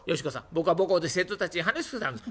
僕は母校で生徒たちに話し続けたんです」。